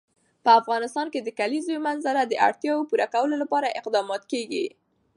په افغانستان کې د د کلیزو منظره د اړتیاوو پوره کولو لپاره اقدامات کېږي.